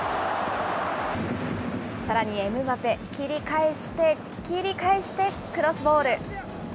さらにエムバペ、切り返して、切り返して、クロスボール。